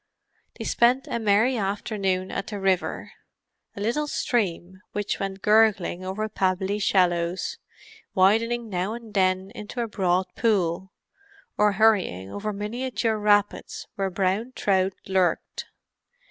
They spent a merry afternoon at the river—a little stream which went gurgling over pebbly shallows, widening now and then into a broad pool, or hurrying over miniature rapids where brown trout lurked.